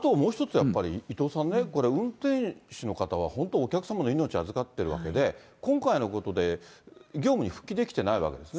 やっぱり、伊藤さんね、これ、運転手の方は本当、お客様の命預かってるわけで、今回のことで、業務に復帰できていないわけですよね。